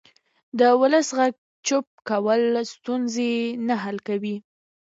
د ولس غږ چوپ کول ستونزې نه حل کوي